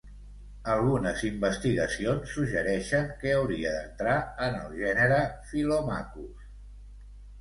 Algunes investigacions suggereixen que hauria d'entrar en el gènere "Philomachus".